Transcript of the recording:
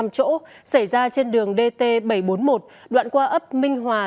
xe container xảy ra trên đường dt bảy trăm bốn mươi một đoạn qua ấp minh hòa